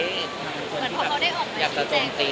เหมือนพอเขาได้ออกไป